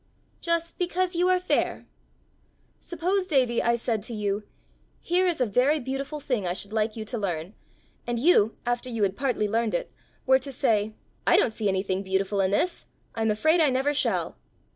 "Just because you are fair." "Suppose, Davie, I said to you, 'Here is a very beautiful thing I should like you to learn,' and you, after you had partly learned it, were to say, 'I don't see anything beautiful in this: I am afraid I never shall!